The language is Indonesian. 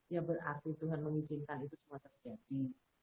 ya berarti tuhan mengizinkan itu semua terjadi